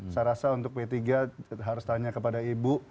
saya rasa untuk p tiga harus tanya kepada ibu